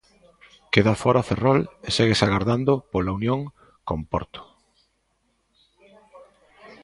Queda fóra Ferrol e séguese agardando pola unión con Porto.